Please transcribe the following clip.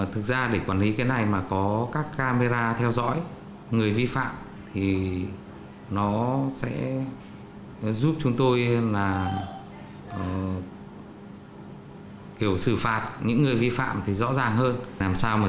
thực ra để quản lý cái này mà có các camera theo dõi người vi phạm thì nó sẽ giúp chúng tôi là kiểu xử phạt những người vi phạm thì rõ ràng hơn làm sao mà